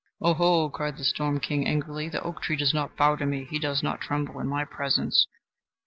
"Oho!" cried the storm king, angrily, "the oak tree does not bow to me, he does not tremble in my presence.